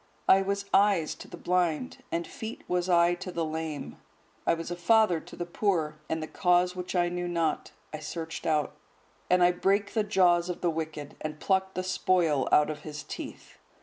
I was eyes to the blind, and feet was I to the lame. I was a father to the poor; and the cause which I knew not, I searched out. And I brake the jaws of the wicked, and plucked the spoil out of his teeth."